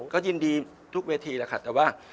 ก็ยินดีทุกเวทีแล้วค่ะแต่ว่า